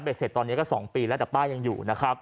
เบรดเสร็จตอนนี้ก็๒ปีแล้วแต่บ้านยังอยู่